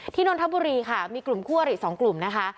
ที่นทบุรีค่ะมีกลุ่มคั่วหรี่สองกลุ่มนะคะ